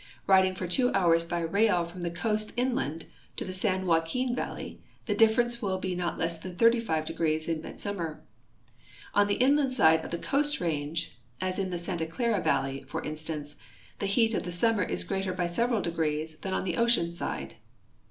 Riding for two hours by rail from the coast inland to the San Joaquin valley the difference will CALIFORNIA 327 be not less than 35 degrees at midsummer. On the inland side of the Coast range, as in the Santa Clara valley, for instance, the heat of the summer is greater by several degrees than on the ocean side.